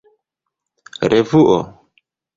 revuo